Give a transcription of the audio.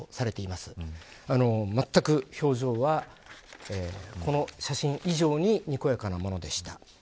まったく表情はこの写真以上ににこやかなものでした。